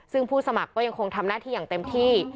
ซึ่งผู้สมัครก็ยังคงทำหน้าที่อย่างเต็มที่